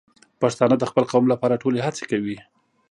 پښتانه د خپل قوم لپاره ټولې هڅې کوي.